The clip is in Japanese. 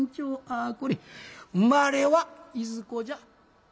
「あこれ生まれはいずこじゃ？」。